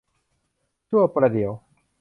ชั่วประเดี๋ยว